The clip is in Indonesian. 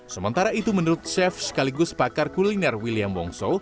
sementara itu menurut chef sekaligus pakar kuliner william wongso